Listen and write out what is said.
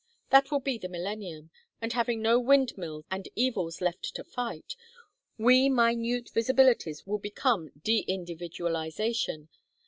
That will be the millennium, and having no windmills and evils left to fight, we minute visibilities will welcome deindividualization.